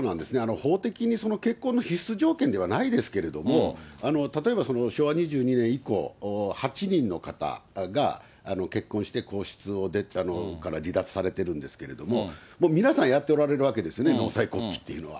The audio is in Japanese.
法的にその結婚の必須条件ではないですけれども、例えば昭和２２年以降、８人の方が結婚して皇室から離脱されているんですけれども、皆さん、やっておられるわけですね、納采、告期っていうのは。